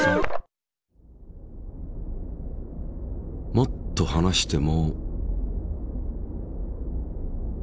もっと離しても。